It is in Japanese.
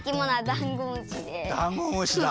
ダンゴムシだ。